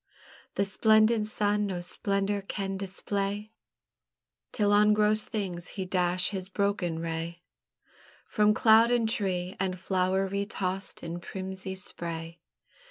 The splendent sun no splendour can display, Till on gross things he dash his broken ray, From cloud and tree and flower re tossed in prismy spray.